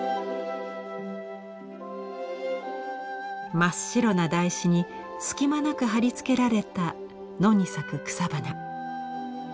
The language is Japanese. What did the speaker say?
真っ白な台紙に隙間なく貼り付けられた野に咲く草花。